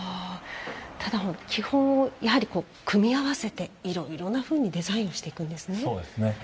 基本を組み合わせていろいろなふうにデザインしていくんですね。